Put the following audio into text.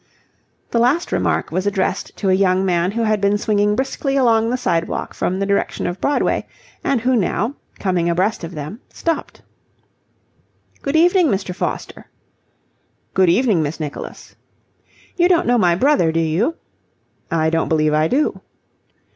The last remark was addressed to a young man who had been swinging briskly along the sidewalk from the direction of Broadway and who now, coming abreast of them, stopped. "Good evening, Mr. Foster." "Good evening. Miss Nicholas." "You don't know my brother, do you?" "I don't believe I do."